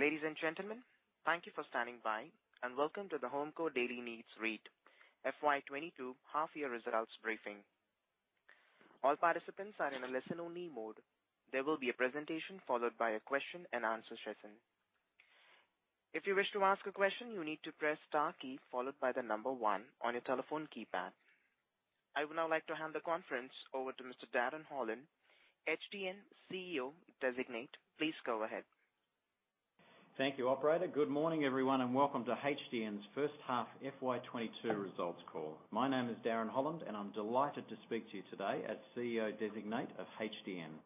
Ladies and gentlemen, thank you for standing by and welcome to the HomeCo Daily Needs REIT FY 2022 half-year results briefing. All participants are in a listen-only mode. There will be a presentation followed by a question-and-answer session. If you wish to ask a question, you need to press Star key followed by the number one on your telephone keypad. I would now like to hand the conference over to Mr. Darren Holland, HDN CEO Designate. Please go ahead. Thank you, operator. Good morning everyone, and welcome to HDN's first-half FY 2022 results call. My name is Darren Holland and I'm delighted to speak to you today as CEO Designate of HDN.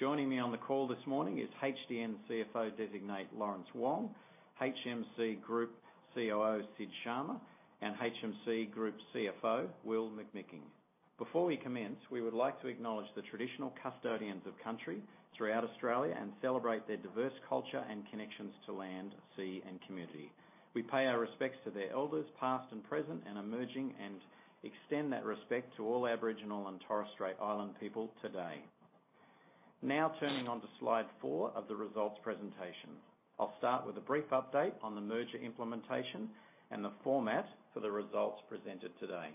Joining me on the call this morning is HDN CFO Designate, Lawrence Wong, HMC Group COO, Sid Sharma, and HMC Group CFO, Will McMicking. Before we commence, we would like to acknowledge the traditional custodians of country throughout Australia and celebrate their diverse culture and connections to land, sea and community. We pay our respects to their elders, past and present, and emerging, and extend that respect to all Aboriginal and Torres Strait Island people today. Now turning to slide four of the results presentation. I'll start with a brief update on the merger implementation and the format for the results presented today.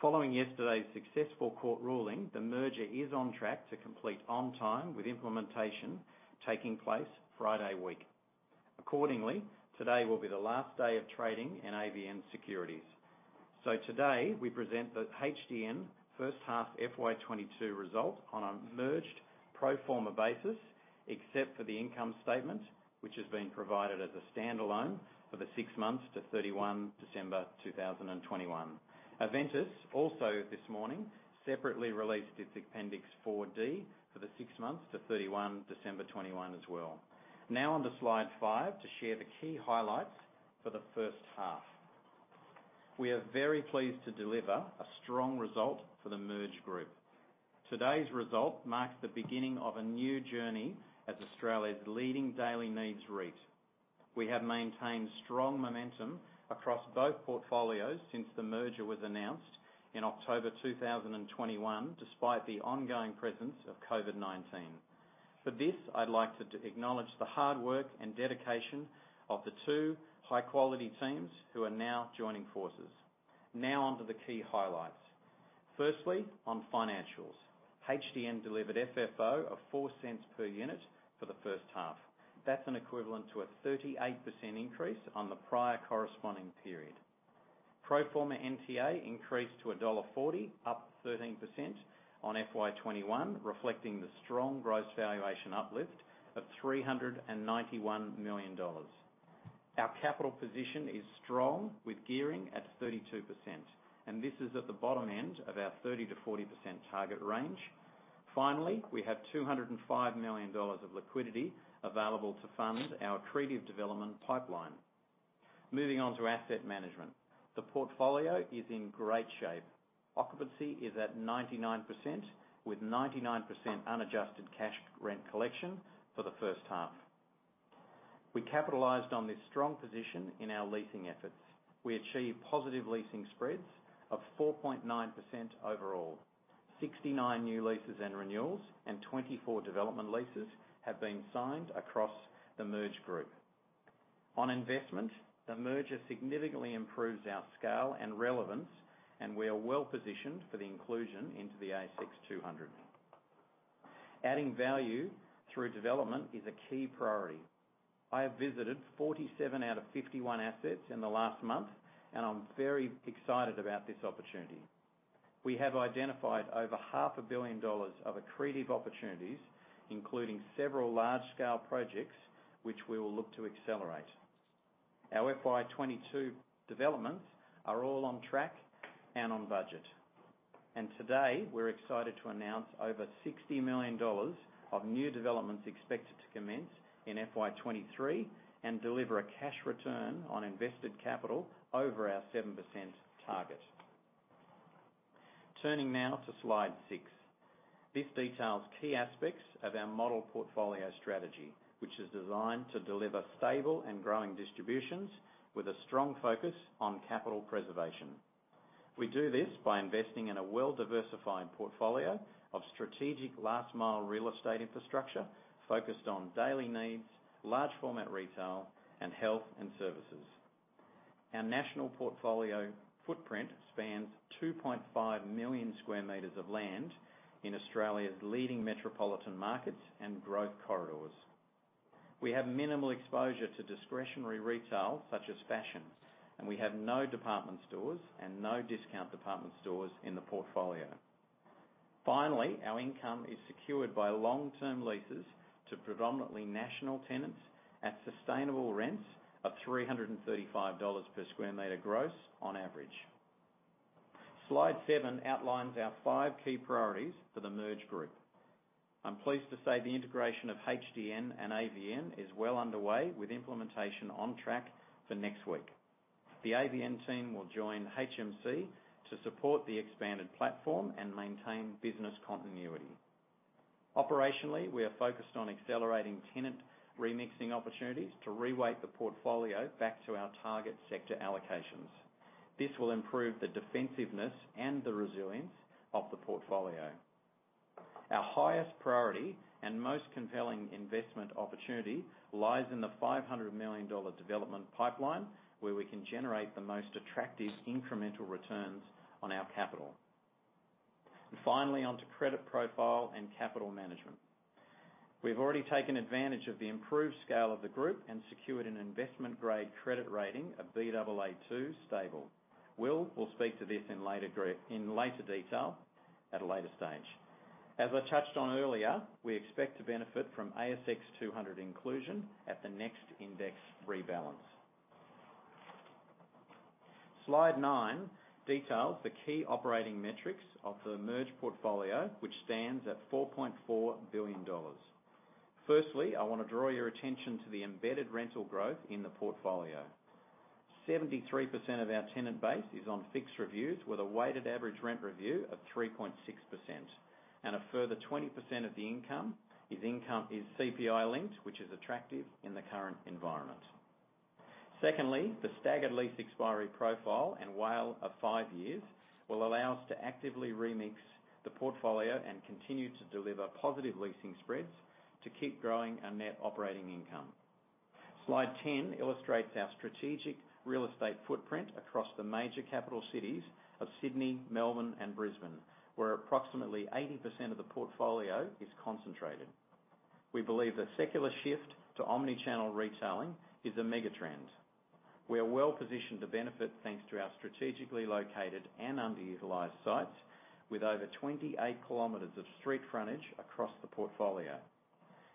Following yesterday's successful court ruling, the merger is on track to complete on time with implementation taking place Friday week. Accordingly, today will be the last day of trading in AVN securities. Today we present the HDN first half FY 2022 result on a merged pro forma basis, except for the income statement, which is being provided as a standalone for the six months to 31 December 2021. Aventus also this morning separately released its Appendix 4D for the six months to 31 December 2021 as well. Now on to slide 5 to share the key highlights for the first half. We are very pleased to deliver a strong result for the merged group. Today's result marks the beginning of a new journey as Australia's leading daily needs REIT. We have maintained strong momentum across both portfolios since the merger was announced in October 2021, despite the ongoing presence of COVID-19. For this, I'd like to acknowledge the hard work and dedication of the two high-quality teams who are now joining forces. Now onto the key highlights. Firstly, on financials. HDN delivered FFO of 4 cents per unit for the first half. That's an equivalent to a 38% increase on the prior corresponding period. Pro forma NTA increased to dollar 1.40, up 13% on FY 2021, reflecting the strong gross valuation uplift of 391 million dollars. Our capital position is strong with gearing at 32%, and this is at the bottom end of our 30%-40% target range. Finally, we have 205 million dollars of liquidity available to fund our accretive development pipeline. Moving on to asset management. The portfolio is in great shape. Occupancy is at 99% with 99% unadjusted cash rent collection for the first half. We capitalized on this strong position in our leasing efforts. We achieved positive leasing spreads of 4.9% overall. 69 new leases and renewals and 24 development leases have been signed across the merged group. On investment, the merger significantly improves our scale and relevance, and we are well positioned for the inclusion into the ASX 200. Adding value through development is a key priority. I have visited 47 out of 51 assets in the last month and I'm very excited about this opportunity. We have identified over half a billion AUD dollars of accretive opportunities, including several large-scale projects which we will look to accelerate. Our FY 2022 developments are all on track and on budget. Today we're excited to announce over 60 million dollars of new developments expected to commence in FY 2023 and deliver a cash return on invested capital over our 7% target. Turning now to slide 6. This details key aspects of our model portfolio strategy, which is designed to deliver stable and growing distributions with a strong focus on capital preservation. We do this by investing in a well-diversified portfolio of strategic last mile real estate infrastructure focused on daily needs, Large Format Retail, and health and services. Our national portfolio footprint spans 2.5 million sq m of land in Australia's leading metropolitan markets and growth corridors. We have minimal exposure to discretionary retail such as fashion, and we have no department stores and no discount department stores in the portfolio. Finally, our income is secured by long-term leases to predominantly national tenants at sustainable rents of 335 dollars per sq m gross on average. Slide 7 outlines our 5 key priorities for the merged group. I'm pleased to say the integration of HDN and AVN is well underway with implementation on track for next week. The AVN team will join HMC to support the expanded platform and maintain business continuity. Operationally, we are focused on accelerating tenant remixing opportunities to re-weight the portfolio back to our target sector allocations. This will improve the defensiveness and the resilience of the portfolio. Our highest priority and most compelling investment opportunity lies in the 500 million dollar development pipeline, where we can generate the most attractive incremental returns on our capital. Finally, onto credit profile and capital management. We've already taken advantage of the improved scale of the group and secured an investment-grade credit rating of Baa2 stable. Will will speak to this in later detail at a later stage. As I touched on earlier, we expect to benefit from ASX 200 inclusion at the next index rebalance. Slide 9 details the key operating metrics of the merged portfolio, which stands at 4.4 billion dollars. Firstly, I wanna draw your attention to the embedded rental growth in the portfolio. 73% of our tenant base is on fixed reviews with a weighted average rent review of 3.6%, and a further 20% of the income is CPI linked, which is attractive in the current environment. Secondly, the staggered lease expiry profile and WALE of 5 years will allow us to actively remix the portfolio and continue to deliver positive leasing spreads to keep growing our net operating income. Slide 10 illustrates our strategic real estate footprint across the major capital cities of Sydney, Melbourne, and Brisbane, where approximately 80% of the portfolio is concentrated. We believe the secular shift to omni-channel retailing is a mega trend. We are well-positioned to benefit thanks to our strategically located and underutilized sites with over 28 km of street frontage across the portfolio.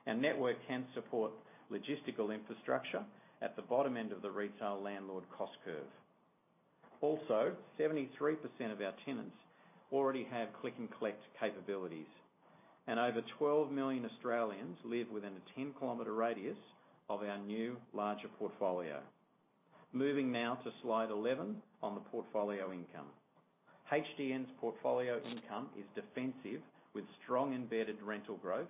Our network can support logistical infrastructure at the bottom end of the retail landlord cost curve. Also, 73% of our tenants already have click-and-collect capabilities, and over 12 million Australians live within a 10-km radius of our new larger portfolio. Moving now to Slide 11 on the portfolio income. HDN's portfolio income is defensive with strong embedded rental growth,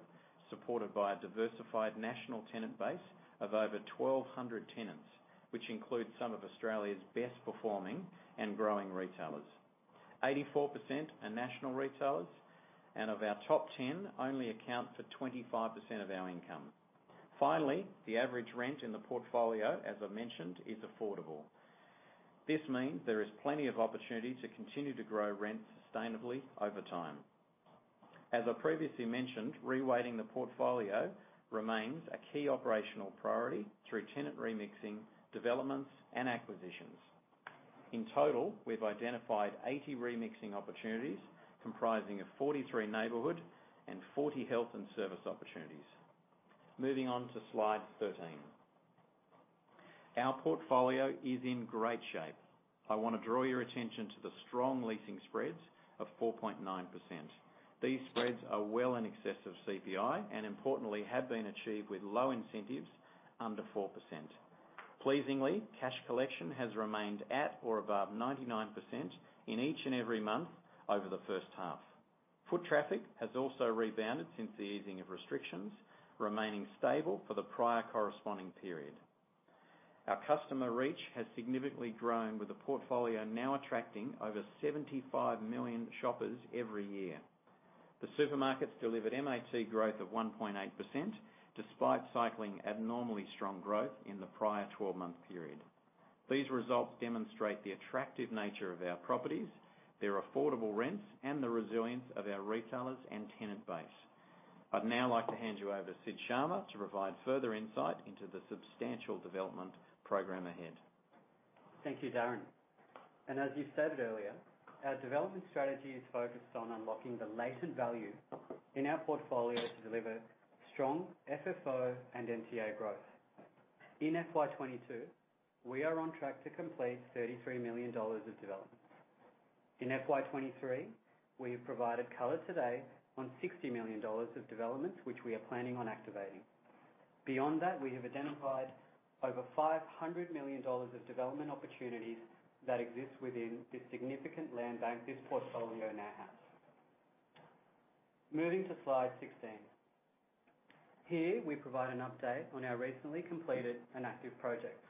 supported by a diversified national tenant base of over 1,200 tenants, which includes some of Australia's best-performing and growing retailers. 84% are national retailers and of our top ten only account for 25% of our income. Finally, the average rent in the portfolio, as I mentioned, is affordable. This means there is plenty of opportunity to continue to grow rent sustainably over time. As I previously mentioned, reweighting the portfolio remains a key operational priority through tenant remixing, developments, and acquisitions. In total, we've identified 80 remixing opportunities comprising of 43 neighborhood and 40 health and service opportunities. Moving on to slide 13. Our portfolio is in great shape. I wanna draw your attention to the strong leasing spreads of 4.9%. These spreads are well in excess of CPI and importantly have been achieved with low incentives under 4%. Pleasingly, cash collection has remained at or above 99% in each and every month over the first half. Foot traffic has also rebounded since the easing of restrictions, remaining stable for the prior corresponding period. Our customer reach has significantly grown with the portfolio now attracting over 75 million shoppers every year. The supermarkets delivered MAT growth of 1.8% despite cycling abnormally strong growth in the prior twelve-month period. These results demonstrate the attractive nature of our properties, their affordable rents, and the resilience of our retailers and tenant base. I'd now like to hand you over to Sid Sharma to provide further insight into the substantial development program ahead. Thank you, Darren. As you stated earlier, our development strategy is focused on unlocking the latent value in our portfolio to deliver strong FFO and NTA growth. In FY 2022, we are on track to complete 33 million dollars of development. In FY 2023, we have provided color today on 60 million dollars of developments which we are planning on activating. Beyond that, we have identified over 500 million dollars of development opportunities that exist within this significant land bank this portfolio now has. Moving to slide 16. Here, we provide an update on our recently completed and active projects.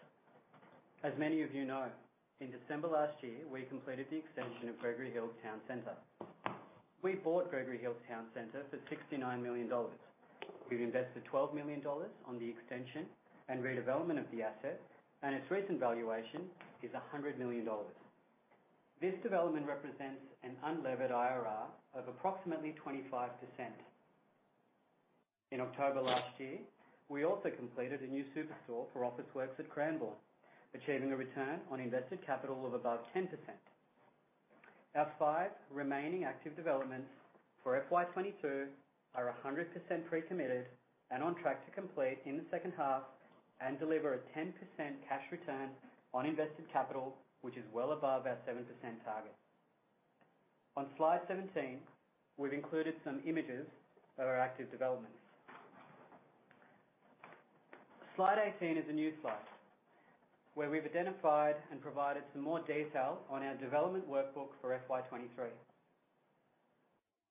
As many of you know, in December last year, we completed the extension of Gregory Hills Town Center. We bought Gregory Hills Town Center for 69 million dollars. We've invested 12 million dollars on the extension and redevelopment of the asset, and its recent valuation is 100 million dollars. This development represents an unlevered IRR of approximately 25%. In October last year, we also completed a new superstore for Officeworks at Cranbourne, achieving a return on invested capital of above 10%. Our five remaining active developments for FY 2022 are 100% pre-committed and on track to complete in the second half and deliver a 10% cash return on invested capital, which is well above our 7% target. On Slide 17, we've included some images of our active developments. Slide 18 is a new slide, where we've identified and provided some more detail on our development workbook for FY 2023.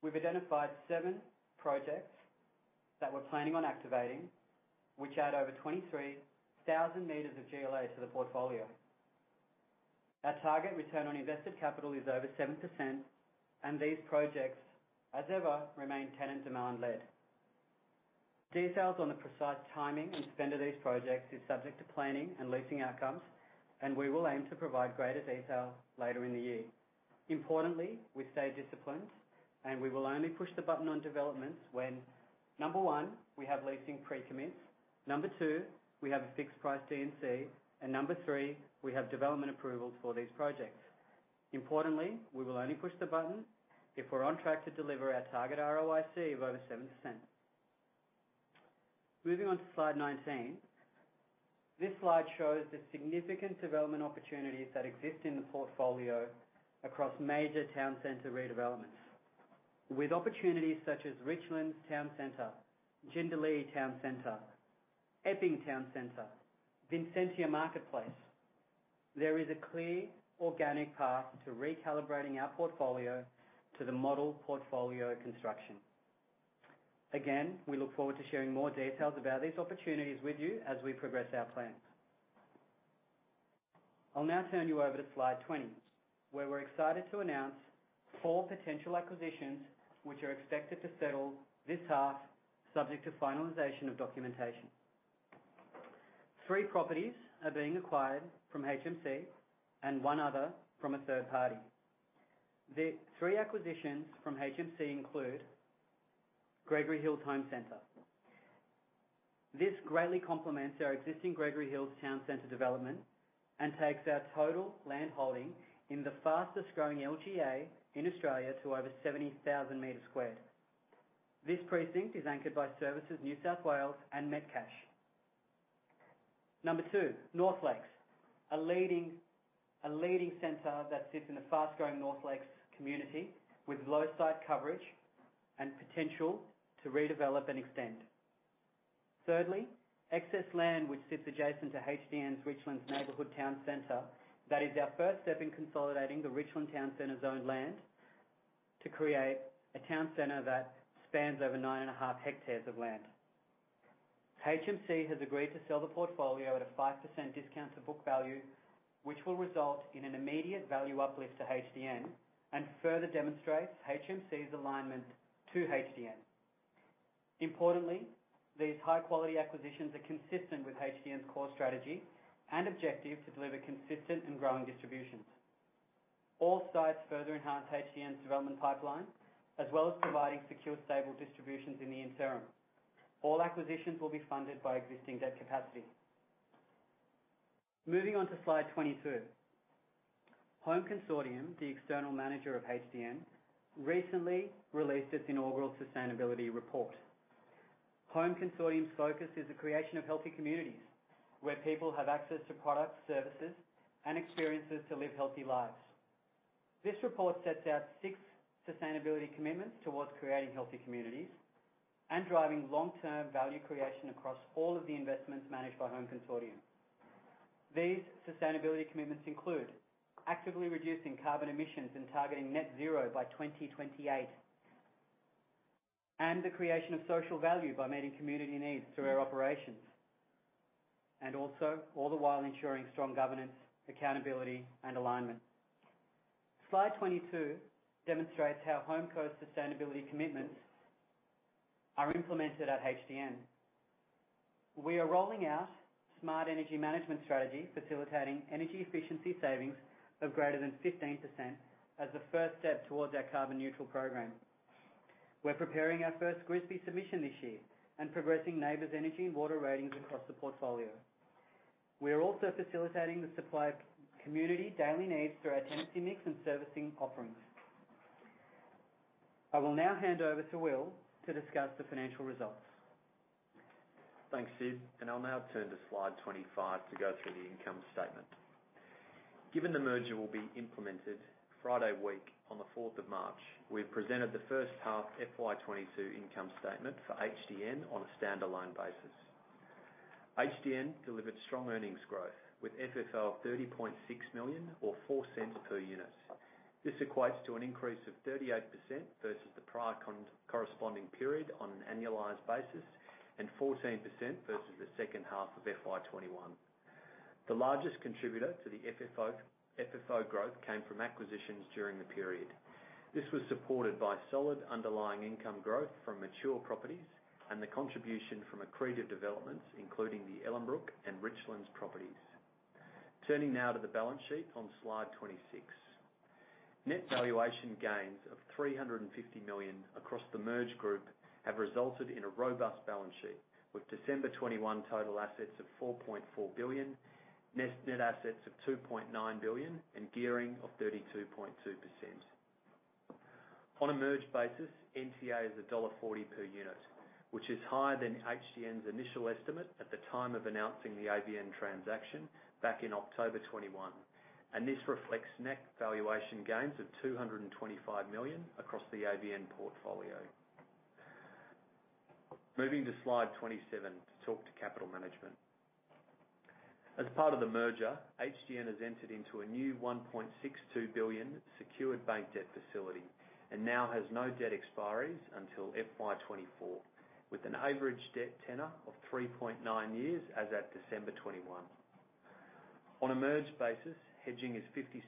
We've identified 7 projects that we're planning on activating, which add over 23,000 sq m of GLA to the portfolio. Our target return on invested capital is over 7%, and these projects, as ever, remain tenant demand-led. Details on the precise timing and spend of these projects is subject to planning and leasing outcomes, and we will aim to provide greater detail later in the year. Importantly, we stay disciplined, and we will only push the button on developments when, number one, we have leasing pre-commits, number two, we have a fixed price D&C, and number three, we have development approvals for these projects. Importantly, we will only push the button if we're on track to deliver our target ROIC of over 7%. Moving on to slide 19. This slide shows the significant development opportunities that exist in the portfolio across major town center redevelopments. With opportunities such as Richlands Town Center, Jindalee Town Center, Epping Town Center, Vincentia Marketplace, there is a clear organic path to recalibrating our portfolio to the model portfolio construction. Again, we look forward to sharing more details about these opportunities with you as we progress our plans. I'll now turn you over to slide 20, where we're excited to announce 4 potential acquisitions, which are expected to settle this half, subject to finalization of documentation. Three properties are being acquired from HMC and one other from a third party. The three acquisitions from HMC include Gregory Hills Home Center. This greatly complements our existing Gregory Hills Town Center development and takes our total landholding in the fastest-growing LGA in Australia to over 70,000 sq m. This precinct is anchored by Service NSW and Metcash. Number two, North Lakes, a leading center that sits in the fast-growing North Lakes community with low site coverage and potential to redevelop and extend. Thirdly, excess land which sits adjacent to HDN's Richlands Neighborhood Town Center. That is our first step in consolidating the Richlands Town Center's owned land to create a town center that spans over 9.5 hectares of land. HMC has agreed to sell the portfolio at a 5% discount to book value, which will result in an immediate value uplift to HDN and further demonstrates HMC's alignment to HDN. Importantly, these high-quality acquisitions are consistent with HDN's core strategy and objective to deliver consistent and growing distributions. All sites further enhance HDN's development pipeline, as well as providing secure, stable distributions in the interim. All acquisitions will be funded by existing debt capacity. Moving on to slide 22. Home Consortium, the external manager of HDN, recently released its inaugural sustainability report. Home Consortium's focus is the creation of healthy communities, where people have access to products, services, and experiences to live healthy lives. This report sets out six sustainability commitments towards creating healthy communities and driving long-term value creation across all of the investments managed by Home Consortium. These sustainability commitments include actively reducing carbon emissions and targeting net zero by 2028, and the creation of social value by meeting community needs through our operations, and also all the while ensuring strong governance, accountability, and alignment. Slide 22 demonstrates how HomeCo's sustainability commitments are implemented at HDN. We are rolling out smart energy management strategy, facilitating energy efficiency savings of greater than 15% as the first step towards our carbon neutral program. We're preparing our first GRESB submission this year and progressing NABERS energy and water ratings across the portfolio. We are also facilitating the supply of community daily needs through our tenancy mix and servicing offerings. I will now hand over to Will to discuss the financial results. Thanks, Sid. I'll now turn to slide 25 to go through the income statement. Given the merger will be implemented Friday week on the fourth of March, we've presented the first half FY 2022 income statement for HDN on a standalone basis. HDN delivered strong earnings growth, with FFO of 30.6 million or 0.04 per unit. This equates to an increase of 38% versus the prior corresponding period on an annualized basis and 14% versus the second half of FY 2021. The largest contributor to the FFO growth came from acquisitions during the period. This was supported by solid underlying income growth from mature properties and the contribution from accretive developments, including the Ellenbrook and Richlands properties. Turning now to the balance sheet on slide 26. Net valuation gains of 350 million across the merged group have resulted in a robust balance sheet, with December 2021 total assets of 4.4 billion, net assets of 2.9 billion, and gearing of 32.2%. On a merged basis, NTA is dollar 1.40 per unit, which is higher than HDN's initial estimate at the time of announcing the AVN transaction back in October 2021, and this reflects net valuation gains of 225 million across the AVN portfolio. Moving to slide 27 to talk to capital management. As part of the merger, HDN has entered into a new 1.62 billion secured bank debt facility and now has no debt expiries until FY 2024, with an average debt tenor of 3.9 years as at December 2021. On a merged basis, hedging is 56%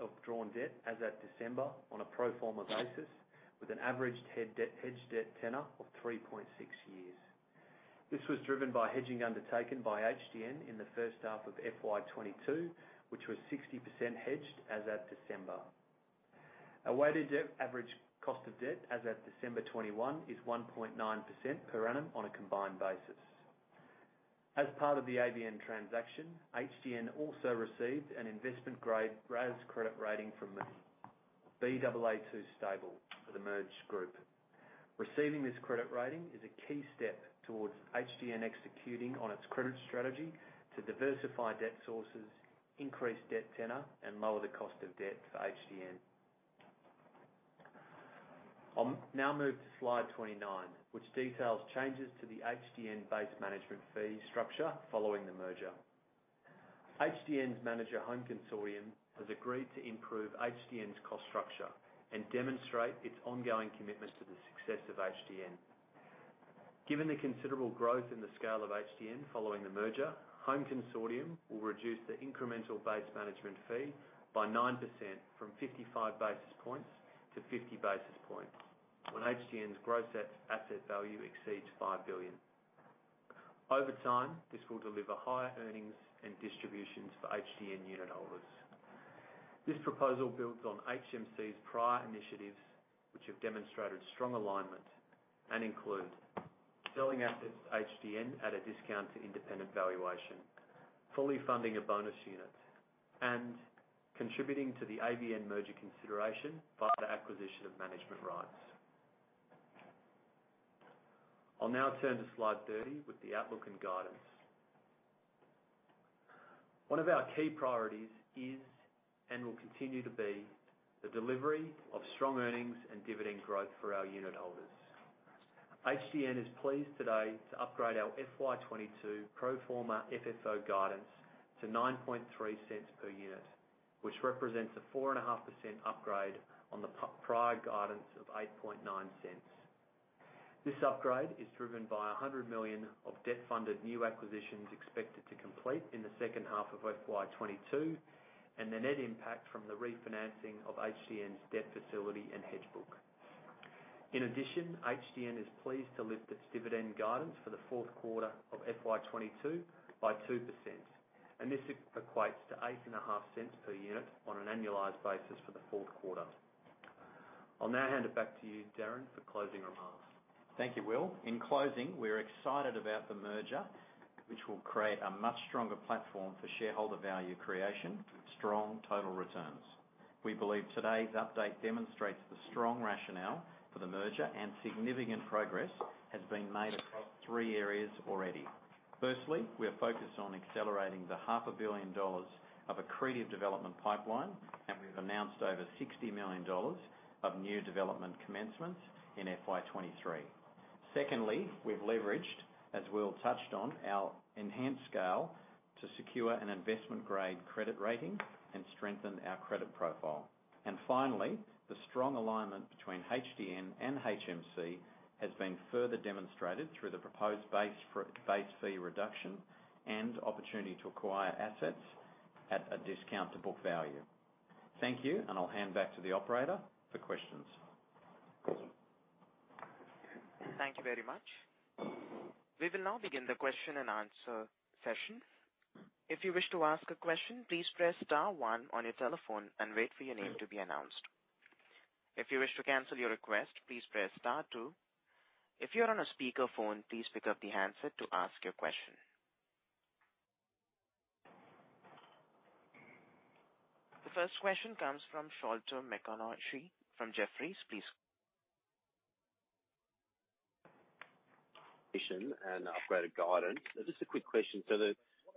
of drawn debt as at December on a pro forma basis, with an averaged hedged debt tenor of 3.6 years. This was driven by hedging undertaken by HDN in the first half of FY 2022, which was 60% hedged as at December. Our weighted average cost of debt as at December 2021 is 1.9% per annum on a combined basis. As part of the AVN transaction, HDN also received an investment grade issuer credit rating from Moody's, Baa2 stable for the merged group. Receiving this credit rating is a key step towards HDN executing on its credit strategy to diversify debt sources, increase debt tenor, and lower the cost of debt for HDN. I'll now move to slide 29, which details changes to the HDN base management fee structure following the merger. HDN's manager, Home Consortium, has agreed to improve HDN's cost structure and demonstrate its ongoing commitment to the success of HDN. Given the considerable growth in the scale of HDN following the merger, Home Consortium will reduce the incremental base management fee by 9% from 55 basis points to 50 basis points when HDN's gross asset value exceeds 5 billion. Over time, this will deliver higher earnings and distributions for HDN unit holders. This proposal builds on HMC's prior initiatives, which have demonstrated strong alignment and include selling assets to HDN at a discount to independent valuation, fully funding a bonus unit and contributing to the AVN merger consideration via the acquisition of management rights. I'll now turn to slide 30 with the outlook and guidance. One of our key priorities is and will continue to be the delivery of strong earnings and dividend growth for our unit holders. HDN is pleased today to upgrade our FY 2022 pro forma FFO guidance to 9.3 cents per unit, which represents a 4.5% upgrade on the prior guidance of 8.9 cents. This upgrade is driven by 100 million of debt-funded new acquisitions expected to complete in the second half of FY 2022, and the net impact from the refinancing of HDN's debt facility and hedge book. In addition, HDN is pleased to lift its dividend guidance for the fourth quarter of FY 2022 by 2%, and this equates to 0.085 per unit on an annualized basis for the fourth quarter. I'll now hand it back to you, Darren, for closing remarks. Thank you, Will. In closing, we're excited about the merger, which will create a much stronger platform for shareholder value creation with strong total returns. We believe today's update demonstrates the strong rationale for the merger and significant progress has been made across three areas already. Firstly, we are focused on accelerating the half a billion dollars of accretive development pipeline, and we've announced over 60 million dollars of new development commencements in FY 2023. Secondly, we've leveraged, as Will touched on, our enhanced scale to secure an investment-grade credit rating and strengthen our credit profile. Finally, the strong alignment between HDN and HMC has been further demonstrated through the proposed base fee reduction and opportunity to acquire assets at a discount to book value. Thank you, and I'll hand back to the operator for questions. Thank you very much. We will now begin the questionp-and-answer session. If you wish to ask a question, please press *1 on your telephone and wait for your name to be announced. If you wish to cancel your request, please press *2. If you're on a speakerphone, please pick up the handset to ask your question. The first question comes from Sholto Maconochie from Jefferies. Please go on. Upgraded guidance. Just a quick question.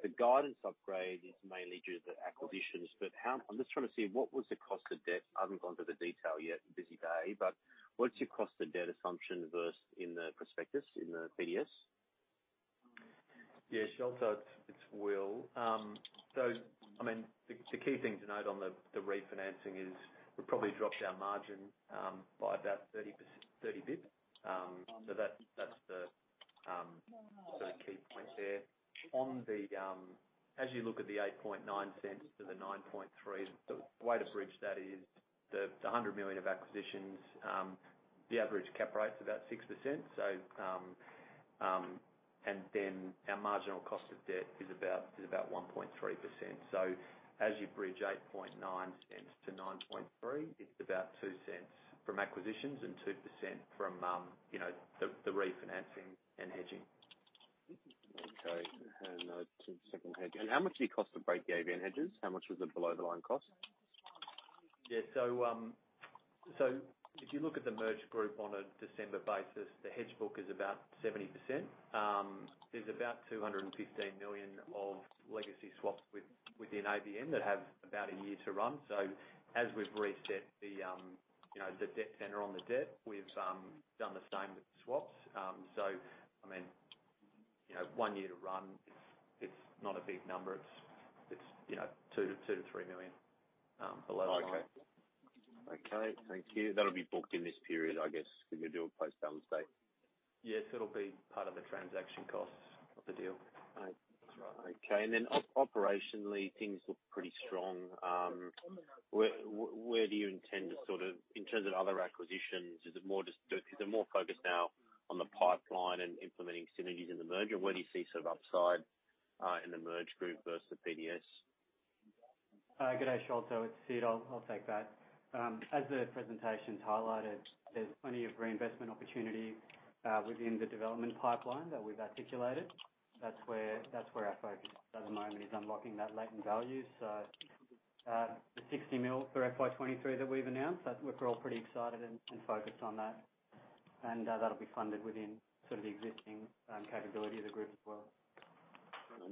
The guidance upgrade is mainly due to the acquisitions, but how I'm just trying to see what was the cost of debt? I haven't gone through the detail yet, busy day, but what's your cost of debt assumption versus in the prospectus, in the PDS? Yeah, Sholto, it's Will. So I mean, the key thing to note on the refinancing is we probably dropped our margin by about 30 basis points. So that's the sort of key point there. On the as you look at the 0.089-0.093, the way to bridge that is the 100 million of acquisitions, the average cap rate's about 6%. And then our marginal cost of debt is about 1.3%. So as you bridge 0.089-0.093, it's about 0.02 from acquisitions and 2% from you know, the refinancing and hedging. Okay. The second hedge. How much does it cost to break the AVN hedges? How much was the below-the-line cost? Yeah. If you look at the merged group on a December basis, the hedge book is about 70%. There's about 215 million of legacy swaps within AVN that have about a year to run. As we've reset the, you know, the debt tenor on the debt, we've done the same with the swaps. I mean, you know, one year to run, it's you know, 2 million-3 million below the line. Okay, thank you. That'll be booked in this period, I guess, when you do a post balance date. Yes, it'll be part of the transaction costs of the deal. All right. Okay. Operationally, things look pretty strong. Where do you intend to sort of, in terms of other acquisitions, is it more focused now on the pipeline and implementing synergies in the merger? Where do you see sort of upside in the merged group versus PDS? Good day, Sholto. It's Sid, I'll take that. As the presentation's highlighted, there's plenty of reinvestment opportunity within the development pipeline that we've articulated. That's where our focus at the moment is unlocking that latent value. The 60 million for FY 2023 that we've announced, that look, we're all pretty excited and focused on that. That'll be funded within sort of the existing capability of the group as well.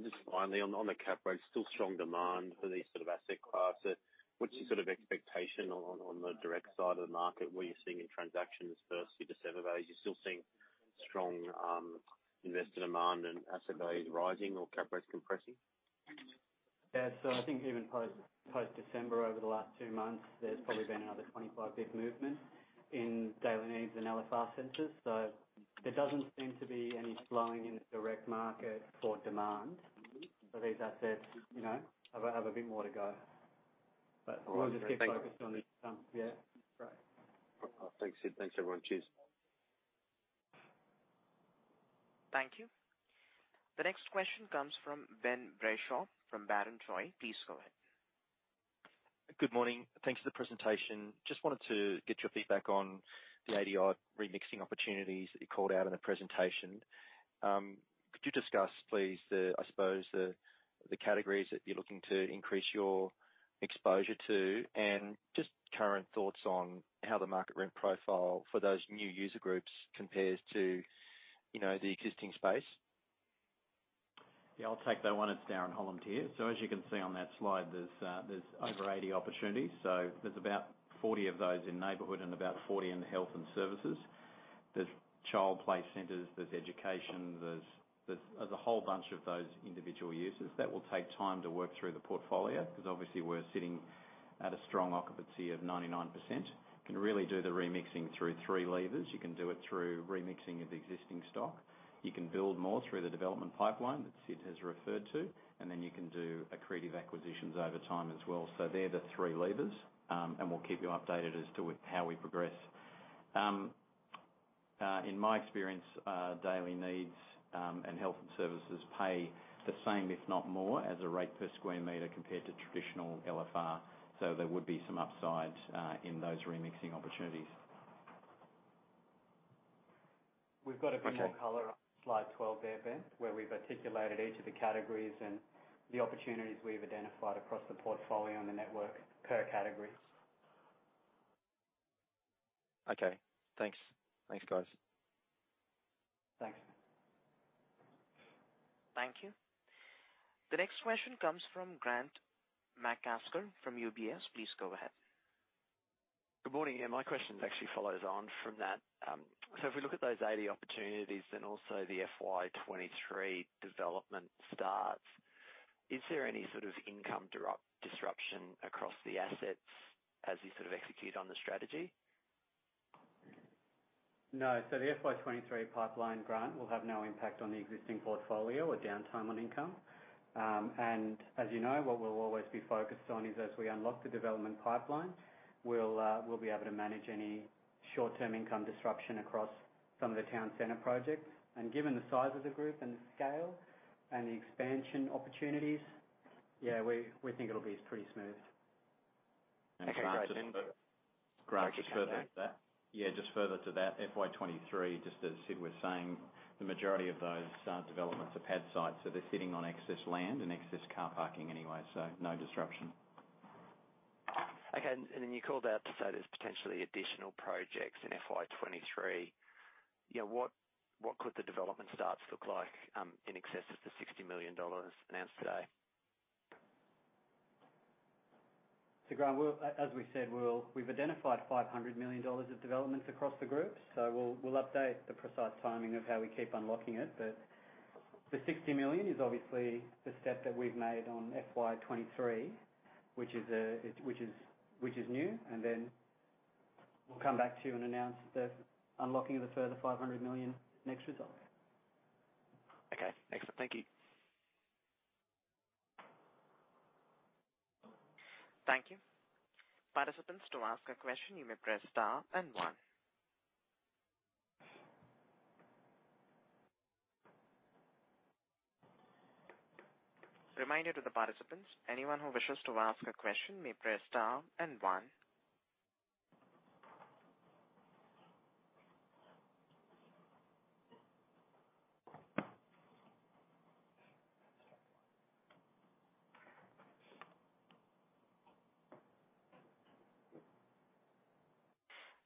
Just finally on the cap rate, still strong demand for these sort of asset classes. What's your sort of expectation on the direct side of the market, what you're seeing in transactions versus December values? You're still seeing strong investor demand and asset values rising or cap rates compressing? Yeah, I think even post-December, over the last two months, there's probably been another 25 bps movement in daily needs and LFR centers. There doesn't seem to be any slowing in the direct market for demand for these assets, you know, have a bit more to go. We'll just stay focused on the- All right. Thank you. Yeah. Right. Thanks, Sid. Thanks, everyone. Cheers. Thank you. The next question comes from Ben Bradshaw from Barrenjoey. Please go ahead. Good morning. Thanks for the presentation. Just wanted to get your feedback on the HDN remixing opportunities that you called out in the presentation. Could you discuss, please, I suppose the categories that you're looking to increase your exposure to and just current thoughts on how the market rent profile for those new user groups compares to, you know, the existing space? Yeah, I'll take that one. It's Darren Holland here. As you can see on that slide, there's over 80 opportunities. There's about 40 of those in neighborhood and about 40 in health and services. There's child play centers, there's education, there's a whole bunch of those individual users that will take time to work through the portfolio because obviously we're sitting at a strong occupancy of 99%. Can really do the remixing through three levers. You can do it through remixing of the existing stock. You can build more through the development pipeline that Sid has referred to, and then you can do accretive acquisitions over time as well. They're the three levers. We'll keep you updated as to how we progress. In my experience, daily needs and health and services pay the same, if not more, as a rate per square meter compared to traditional LFR. There would be some upside in those remixing opportunities. We've got a bit more color on slide 12 there, Ben, where we've articulated each of the categories and the opportunities we've identified across the portfolio and the network per categories. Okay, thanks. Thanks, guys. Thanks. Thank you. The next question comes from Grant McCasker from UBS. Please go ahead. Good morning. Yeah, my question actually follows on from that. If we look at those 80 opportunities and also the FY 2023 development starts, is there any sort of income disruption across the assets as you sort of execute on the strategy? No. The FY 2023 pipeline, Grant, will have no impact on the existing portfolio or downtime on income. As you know, what we'll always be focused on is as we unlock the development pipeline, we'll be able to manage any short-term income disruption across some of the town center projects. Given the size of the group and the scale and the expansion opportunities, yeah, we think it'll be pretty smooth. Okay, great. Thank you. Grant, just further to that. Appreciate that. Yeah, just further to that, FY 2023, just as Sid was saying, the majority of those developments are pad sites, so they're sitting on excess land and excess car parking anyway, so no disruption. Okay. You called out to say there's potentially additional projects in FY 2023. You know, what could the development starts look like in excess of the 60 million dollars announced today? Grant, as we said, we've identified 500 million dollars of developments across the group. We'll update the precise timing of how we keep unlocking it. The 60 million is obviously the step that we've made on FY 2023, which is new, and then we'll come back to you and announce the unlocking of the further 500 million next results. Okay, excellent. Thank you. Thank you. Participants, to ask a question, you may press *1. Reminder to the participants, anyone who wishes to ask a question may press *1.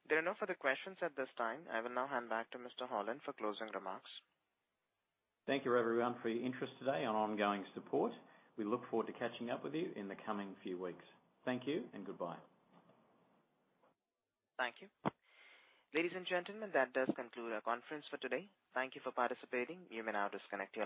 There are no further questions at this time. I will now hand back to Mr. Holland for closing remarks. Thank you, everyone, for your interest today and ongoing support. We look forward to catching up with you in the coming few weeks. Thank you and goodbye. Thank you. Ladies and gentlemen, that does conclude our conference for today. Thank you for participating. You may now disconnect.